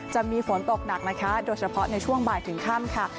จะมีฝนตกหนักนะคะโดยเฉพาะในช่วงบ่ายถึงค่ำค่ะ